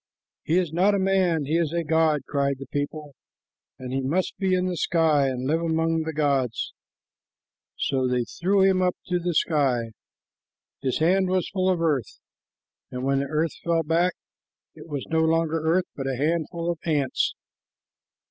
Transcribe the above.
"He is not a man; he is a god," cried the people, "and he must be in the sky and live among the gods;" so they threw him up to the sky. His hand was full of earth, and when the earth fell back, it was no longer earth, but a handful of ants.